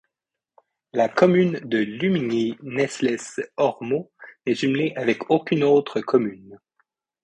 La commune de Lumigny-Nesles-Ormeaux n'est jumelée avec aucune autre commune.